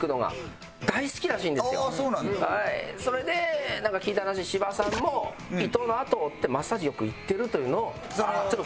それでなんか聞いた話芝さんも伊藤のあとを追ってマッサージよく行ってるというのをちょっと聞いちゃいました。